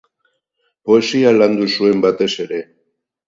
Poesia landu zuen batez ere.